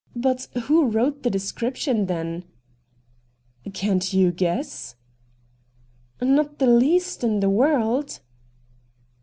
But who wrote the description, then ?'' Can't you guess ?'' Not the least in the world.'